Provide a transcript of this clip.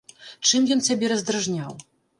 Чым ён цябе раздражняў?